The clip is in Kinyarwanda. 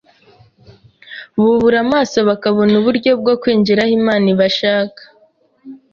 bubura amaso, bakabona uburyo bwo kwinjira aho Imana ibashaka.